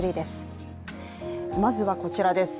まずは、こちらです。